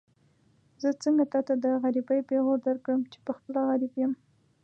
زه څنګه تاته د غريبۍ پېغور درکړم چې پخپله غريب يم.